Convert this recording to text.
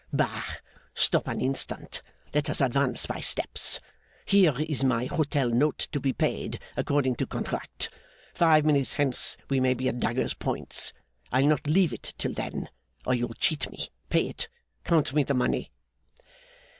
'Bah! Stop an instant! Let us advance by steps. Here is my Hotel note to be paid, according to contract. Five minutes hence we may be at daggers' points. I'll not leave it till then, or you'll cheat me. Pay it! Count me the money!